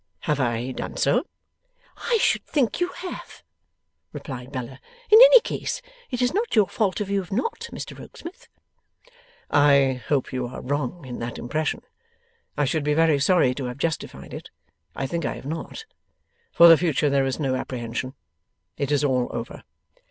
'Have I done so?' 'I should think you have,' replied Bella. 'In any case it is not your fault if you have not, Mr Rokesmith.' 'I hope you are wrong in that impression. I should be very sorry to have justified it. I think I have not. For the future there is no apprehension. It is all over.